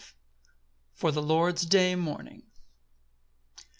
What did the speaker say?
For the Lord's day morning.